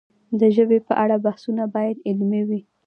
د ژبې په اړه بحثونه باید علمي وي.